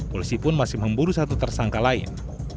polisi pun masih memburu satu tersangka lain